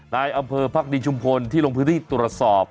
นายอำเภอภักดีชุมพลที่ลงพื้นที่ตรวจสอบ